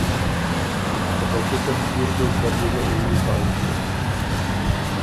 که په څُټن جیر دوک دل يې ګۀ او يي حال بیوک